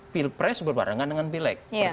pilpres berbarengan dengan pilek